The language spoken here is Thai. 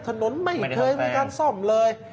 ถนนไม่เคยมีการซ่อมเลย